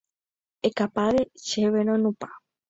Ekapade chéve roinupã